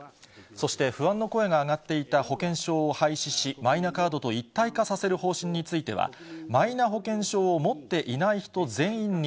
そして不安の声が上がっていた保険証を廃止し、マイナカードと一体化させる方針については、マイナ保険証を持っていない人全員に、